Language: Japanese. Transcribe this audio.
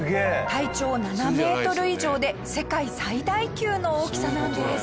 体長７メートル以上で世界最大級の大きさなんです。